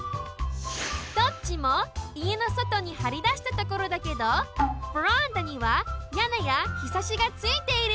どっちもいえのそとにはりだしたところだけどベランダにはやねやひさしがついている。